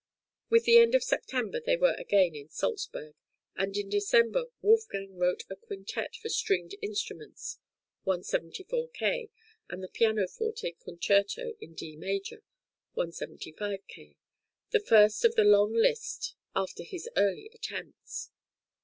With the end of September they were again in Salzburg, and in December Wolfgang wrote a quintet for stringed instruments (174 K.) and a pianoforte Concerto in D major (175 K.), the first of the long list after his early attempts.